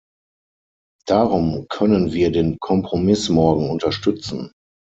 Darum können wir den Kompromiss morgen unterstützen.